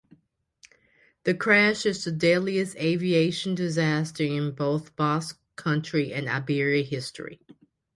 The crash is the deadliest aviation disaster in both Basque Country and Iberia history.